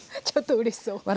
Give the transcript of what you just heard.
ちょっとうれしそう。